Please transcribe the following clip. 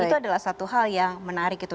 dan itu adalah satu hal yang menarik gitu